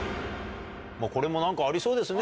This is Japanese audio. もうこれもなんかありそうですね。